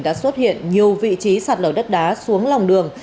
đã xuất hiện nhiều vị trí sạt lở đất đá xuống lòng đường